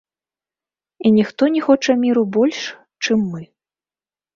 І ніхто не хоча міру больш, чым мы.